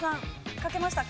書けましたか？